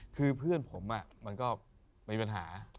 คือเพื่อนผมมันก็มีปัญหา